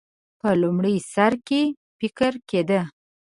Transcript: په لومړي سر کې فکر کېده.